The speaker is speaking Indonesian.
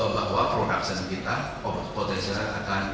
bahwa produksi kita potensialnya akan naik